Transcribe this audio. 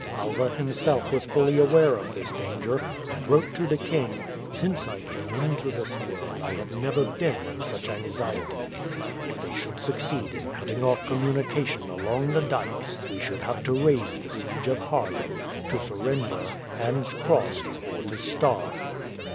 Alva himself was fully aware of this danger, and wrote to the king: "Since I came into this world I have never been in such anxiety. If they should succeed in cutting off communication along the dykes we should have to raise the siege of Haarlem, to surrender, hands crossed, or to starve."